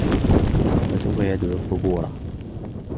فسوف يدعو ثبورا